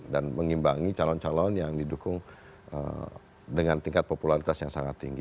dan mengimbangi calon calon yang didukung dengan tingkat popularitas yang sangat tinggi